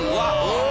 うわ！